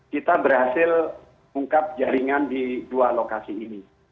kita berhasil ungkap jaringan di dua lokasi ini